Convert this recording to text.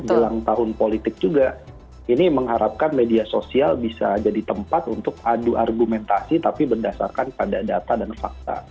jelang tahun politik juga ini mengharapkan media sosial bisa jadi tempat untuk adu argumentasi tapi berdasarkan pada data dan fakta